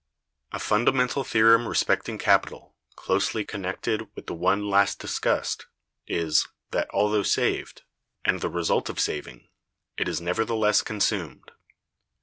(107) A fundamental theorem respecting capital, closely connected with the one last discussed, is, that although saved, and the result of saving, it is nevertheless consumed.